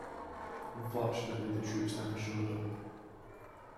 Unfortunately the troops never showed up.